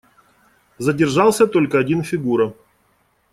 Задержался только один Фигура.